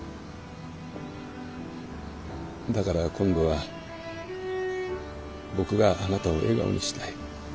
だから今度は僕があなたを笑顔にしたい。